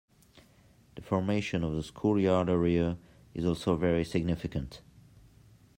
The formation of the school-yard area is also very significant.